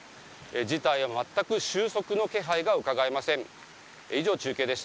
事態は全く収束の気配がうかがえません。